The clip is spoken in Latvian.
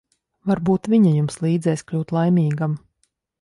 Varbūt viņa jums līdzēs kļūt laimīgam.